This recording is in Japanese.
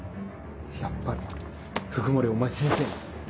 やっぱり鵜久森お前先生に。